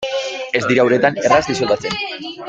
Ez dira uretan erraz disolbatzen.